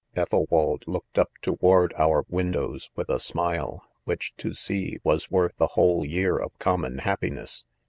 ; i Ethelwald looked up. toward our windows with a smile, whichj to see, was worth a whole year of common happiness!